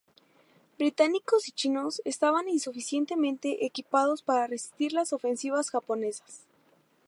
Británicos y Chinos estaban insuficientemente equipados para resistir las ofensivas japonesas.